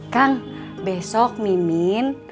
kang besok mimin